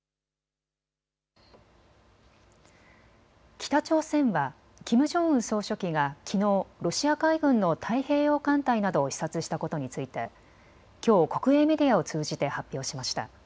北朝鮮はキム・ジョンウン総書記がきのうロシア海軍の太平洋艦隊などを視察したことについてきょう、国営メディアを通じて発表しました。